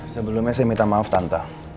sebelumnya saya minta maaf tante